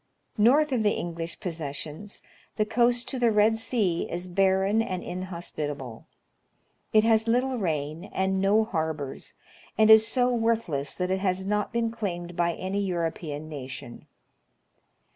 North of the English possessions, the coast to the Red Sea is barren and inhospitable : it has little rain and no harbors, and is so worthless that it has not been claimed by any European na tion.